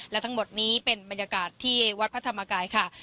และทั้งหมดนี้เป็นบรรยากาศที่วัดพระธรรมกายค่ะ